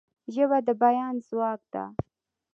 ژبه د بیان ځواک ده.